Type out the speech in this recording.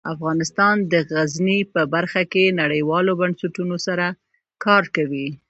افغانستان د غزني په برخه کې نړیوالو بنسټونو سره کار کوي.